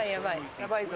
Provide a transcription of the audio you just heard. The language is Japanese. やばいぞ。